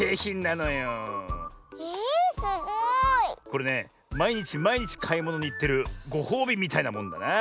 これねまいにちまいにちかいものにいってるごほうびみたいなもんだな。